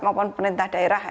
maupun pemerintah daerah